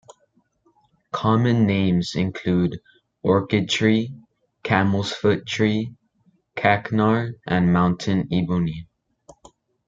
Common names include orchid tree, camel's foot tree, kachnar and mountain-ebony.